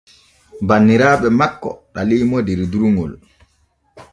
Banniraaɓe makko ɗaliimo der durŋol.